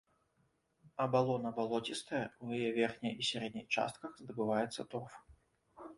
Абалона балоцістая, у яе верхняй і сярэдняй частках здабываецца торф.